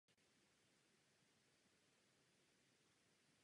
U mobilních účastníků neobsahuje telefonní číslo žádné informace o jejich poloze.